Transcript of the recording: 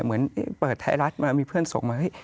เหมือนเปิดไทยรัฐมามีเพื่อนส่งมาเฮ้ย